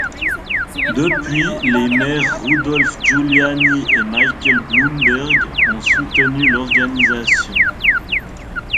Depuis, les maires Rudolph Giuliani et Michael Bloomberg ont soutenu l’organisation.